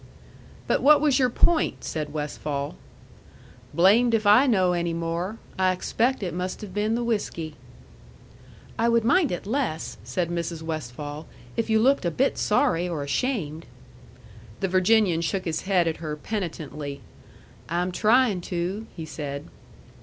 "But what was your point?" said Westfall. "Blamed if I know any more. I expect it must have been the whiskey." "I would mind it less," said Mrs. Westfall, "if you looked a bit sorry or ashamed." The Virginian shook his head at her penitently. "I'm tryin' to," he said.